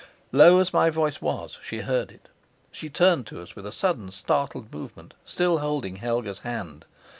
Low as my voice was, she heard it. She turned to us with a sudden, startled movement, still holding Helga's hand.